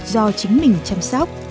do chính mình chăm sóc